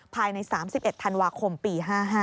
ภายใน๓๑ธันวาคมปี๕๕